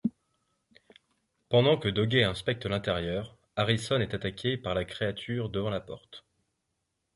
Pendant que Doggett inspecte l'intérieur, Harrison est attaquée par la créature devant la porte.